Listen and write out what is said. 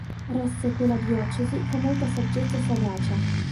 Resse quella diocesi con molta saggezza e sagacia.